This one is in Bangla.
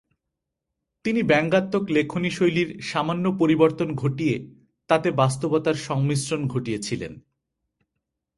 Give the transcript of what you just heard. তিনি ব্যাঙ্গাত্মক লেখনি শৈলীর সামান্য পরিবর্তন ঘটিয়ে তাতে বাস্তবতার সংমিশ্রণ ঘটিয়েছিলেন।